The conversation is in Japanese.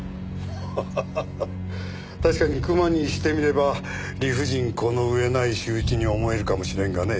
ハハハハ確かに熊にしてみれば理不尽この上ない仕打ちに思えるかもしれんがね。